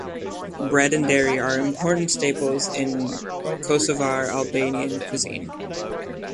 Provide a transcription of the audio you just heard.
Bread and dairy are important staples in Kosovar Albanian cuisine.